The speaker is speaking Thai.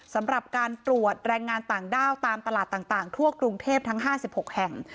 สำหรับการตรวจแรงงานต่างด้าวตามตลาดต่างทั่วกรุงเทพทั้ง๕๖แห่ง